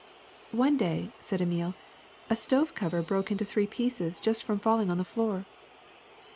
'' *^One day," said Emile, ^^a stove cover broke into three pieces just from falling on the floor.''